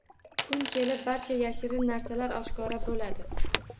Kun kelib barcha yashirin narsalar oshkora bo‘ladi